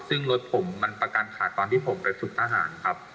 ซึ่งรถผมมันประกันขาดตอนที่ผมไปฝึกทหารครับ